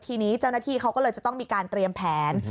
ทีนี้เจ้าหน้าที่เขาก็เลยจะต้องมีการเตรียมแผน